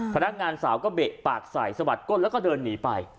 พนักงานสาวก็เบะปากใส่สะบัดก้นแล้วก็เดินหนีไป